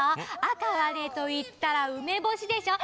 あかはねといったらうめぼしでしょ？